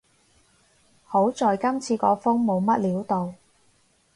好在今次個風冇乜料到